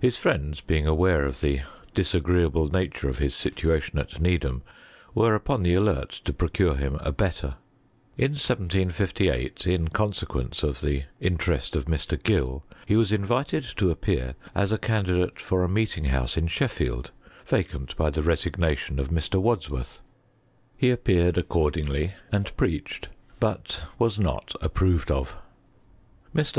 His friends being aware of the disagreeable nature of his situation at Needham, were upon the alert to procure him a better. In 1758, in consequence o the interest of Mr. Gill, he was invited to appear as a candidate for a meeting house in Sheffield, vacant by the resignation of Mr. Wadsworth. He appear b2 I HISTORY or CHBMIBTHT. ed accordingly and preached, but was not approved of. Mr.